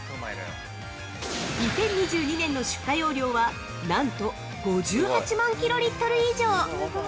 ２０２２年の出荷容量は、何と５８万キロリットル以上。